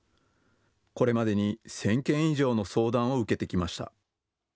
これまでに１０００件以上の相談を受けてきました。